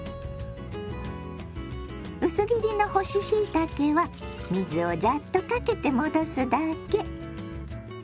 薄切りの干ししいたけは水をザッとかけて戻すだけ。